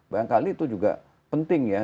banyak kali itu juga penting ya